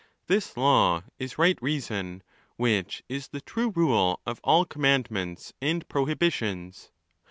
This law is right reason, which is the true rule of all commandments and prohibitions.